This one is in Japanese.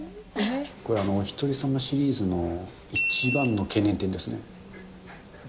これ、おひとり様シリーズの一番の懸念点ですね。